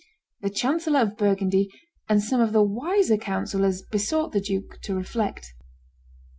The chancellor of Burgundy and some of the wiser councillors besought the duke to reflect.